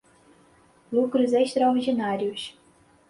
lucros extraordinários